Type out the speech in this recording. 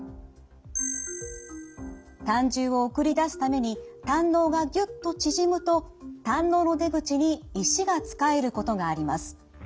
胆汁を送り出すために胆のうがぎゅっと縮むと胆のうの出口に石がつかえることがあります。